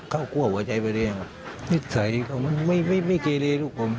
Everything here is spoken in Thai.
เข้ากลัวหัวใจไปเลยนิดใส่เขาไม่ไม่ไม่เกรเลลูกผม